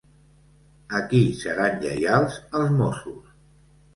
A qui seran lleials els mossos?